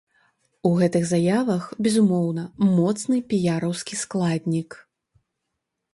У гэтых заявах, безумоўна, моцны піяраўскі складнік.